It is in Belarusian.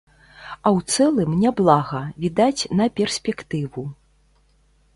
А ў цэлым, няблага, відаць, на перспектыву.